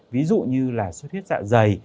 ví dụ như là xuất huyết dạ dày